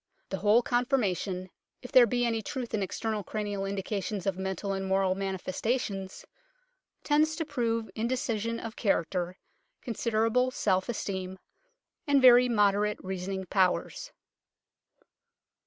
The whole conforma tion, if there be any truth in external cranial indications of mental and moral manifestations, tends to prove indecision of character, consider able self esteem, and very moderate reasoning powers.